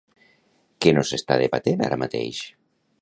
Què no s'està debatent ara mateix?